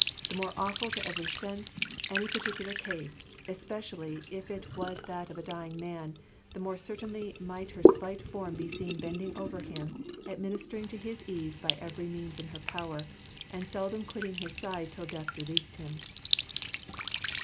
The more awful to every sense, any particular case, especially if it was that of a dying man, the more certainly might her slight form be seen bending over him, administering to his ease by every means in her power, and seldom quitting his side till death released him."